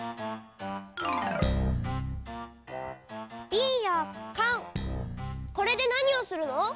びんやカンこれでなにをするの？